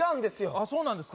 あっそうなんですか